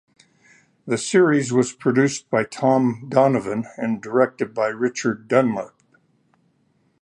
The series was produced by Tom Donovan and directed by Richard Dunlap.